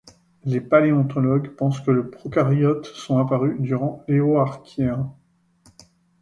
Les paléontologues pensent que les procaryotes sont apparus durant l'Éoarchéen.